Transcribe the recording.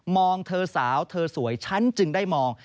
เธอสาวเธอสวยฉันจึงได้มอง